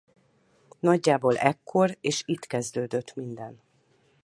Nagyjából ekkor és itt kezdődött minden.